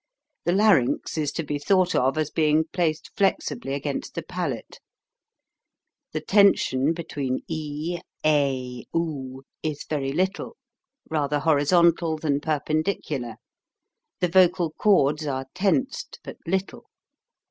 The larynx is to be thought of as being placed flexibly against the palate. The tension between e, a, oo is very little, rather horizontal than perpendicular ; the vocal cords are tensed but little.